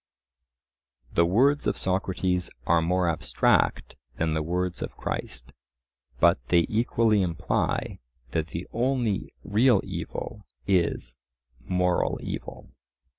The words of Socrates are more abstract than the words of Christ, but they equally imply that the only real evil is moral evil.